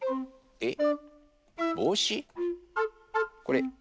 えっ？